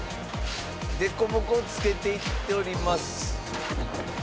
凸凹をつけていっております。